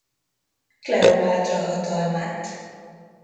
Kleopátra hatalmát.